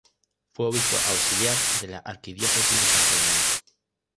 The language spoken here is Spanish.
Fue obispo auxiliar de la arquidiócesis de Santo Domingo.